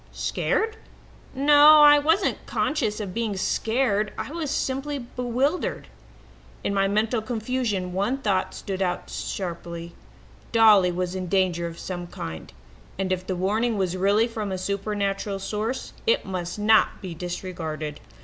Scared? No, I wasn't conscious of being scared. I was simply bewildered. "In my mental confusion one thought stood out sharply Dolly was in danger of some kind, and if the warning was really from a supernatural source, it must not be disregarded.